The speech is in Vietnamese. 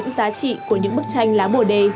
giá trị của những bức tranh lá bồ đề